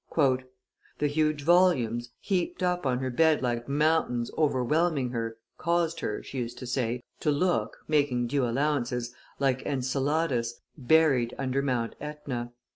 "The huge volumes, heaped up on her bed like mountains overwhelming her, caused her," she used to say, "to look, making due allowances, like Enceladus, buried under Mount AEtna.